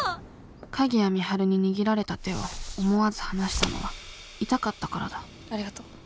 鍵谷美晴に握られた手を思わず離したのは痛かったからだありがとう。